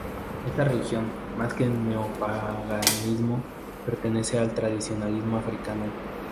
Esta religión, más que al neopaganismo, pertenece al tradicionalismo africano.